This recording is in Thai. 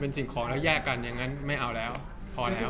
สิ่งของแล้วแยกกันอย่างนั้นไม่เอาแล้วพอแล้ว